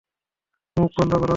মুখ বন্ধ করো।